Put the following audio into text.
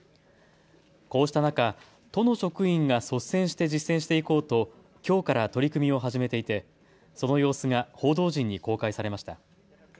こうした中、都の職員が率先して実践していこうと、きょうから取り組みを始めていてその様子が報道陣に公開されました。